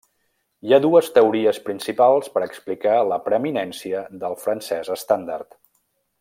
Hi ha dues teories principals per a explicar la preeminència del francès estàndard.